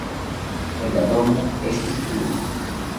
En la domo estis bruo.